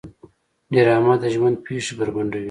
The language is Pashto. ډرامه د ژوند پېښې بربنډوي